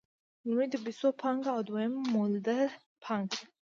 لومړی د پیسو پانګه او دویم مولده پانګه ده